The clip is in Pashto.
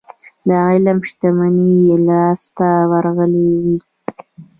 د علم شتمني يې لاسته ورغلې وي.